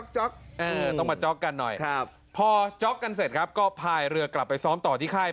ต้องมาจ๊อกกันหน่อยพอจ๊อกกันเสร็จครับก็พายเรือกลับไปซ้อมต่อที่ค่าย